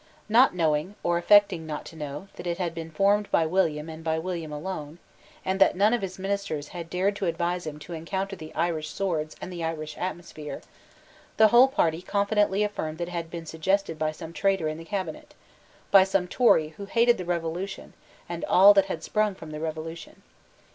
Not knowing, or affecting not to know, that it had been formed by William and by William alone, and that none of his ministers had dared to advise him to encounter the Irish swords and the Irish atmosphere, the whole party confidently affirmed that it had been suggested by some traitor in the cabinet, by some Tory who hated the Revolution and all that had sprung from the Revolution.